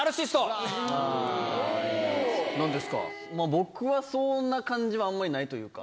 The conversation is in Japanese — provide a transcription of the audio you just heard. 僕はそんな感じはあんまりないというか。